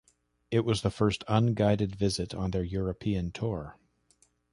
It was the first unguided visit on their European tour.